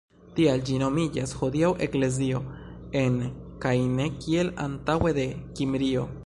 Tial ĝi nomiĝas hodiaŭ eklezio "en" kaj ne kiel antaŭe "de" Kimrio.